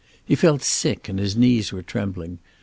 He felt sick, and his knees were trembling.